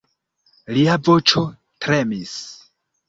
Lia voĉo tremis.